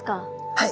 はい。